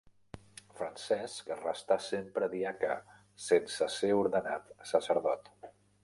Francesc restà sempre diaca sense ser ordenat sacerdot.